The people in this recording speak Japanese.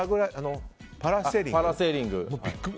パラセーリング。